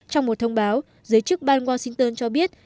trong một thông báo giới chức bang washington cho biết